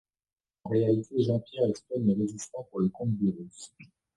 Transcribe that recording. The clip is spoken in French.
En réalité Jean-Pierre espionne les résistants pour le compte des Russes.